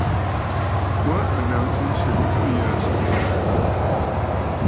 Wa a naŋsə nswegə nû yì aa swègə̀.